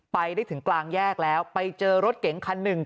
ไปได้ถึงกลางแยกแล้วไปเจอรถเก๋งคันหนึ่ง